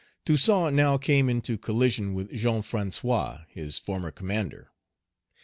Toussaint now came into collision with Jean François, his former commander.